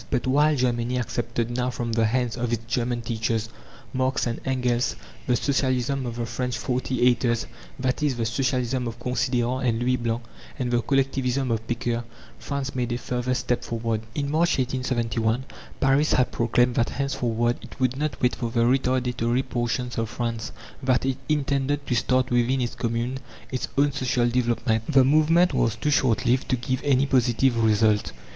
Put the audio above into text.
But while Germany accepted now from the hands of its German teachers, Marx and Engels, the Socialism of the French "forty eighters" that is, the Socialism of Considérant and Louis Blanc, and the Collectivism of Pecqueur, France made a further step forward. In March, 1871, Paris had proclaimed that henceforward it would not wait for the retardatory portions of France: that it intended to start within its Commune its own social development. The movement was too short lived to give any positive result.